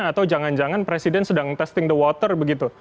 atau jangan jangan presiden sedang testing the water begitu